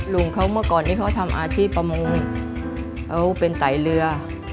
ลุงเขาเมื่อก่อนนี้เขาทำอาชีพประมงเขาเป็นไตเรือ